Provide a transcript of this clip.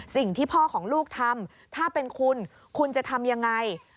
สิ่งที่พ่อของลูกทำถ้าเป็นคุณคุณจะทำยังไง